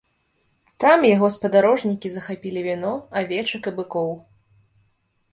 Там яго спадарожнікі захапілі віно, авечак і быкоў.